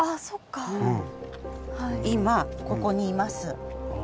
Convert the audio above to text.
今ここにいます。